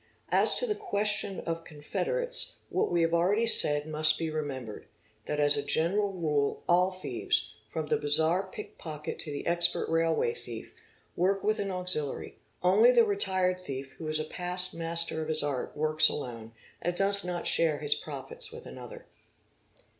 As to the question of confederates, what we have already _ said must be remembered, that as a general rule all thieves, from the _ bazaar pickpocket to the expert railway thief, work with an auxiliary : i only the retired thief who is a past master of his art works alone and does not share his profits with another.